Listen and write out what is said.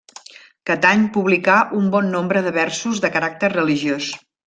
Catany publicà un bon nombre de versos de caràcter religiós.